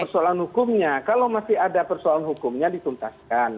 persoalan hukumnya kalau masih ada persoalan hukumnya dituntaskan